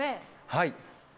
はい。